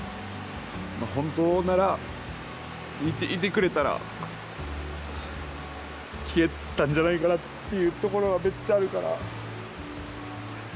本当なら、生きていてくれたら、聞けたんじゃないかなっていうところはめっちゃあるから。